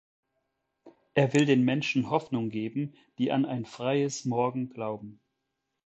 Er will den Menschen Hoffnung geben, die an ein freies Morgen glauben.